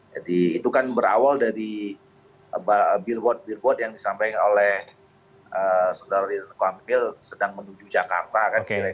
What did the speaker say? jadi itu kan berawal dari billboard billboard yang disampaikan oleh saudara ridwan kamil sedang menuju jakarta kan